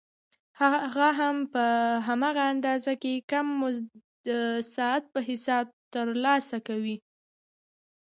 هغه په هماغه اندازه کم مزد د ساعت په حساب ترلاسه کوي